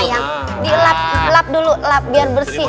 nih ayang dilap lap dulu lap biar bersih